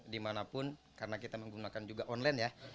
dimanapun karena kita menggunakan juga online ya